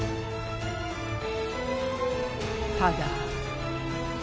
ただ。